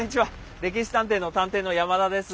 「歴史探偵」の探偵の山田です。